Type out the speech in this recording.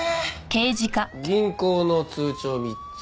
銀行の通帳３つ。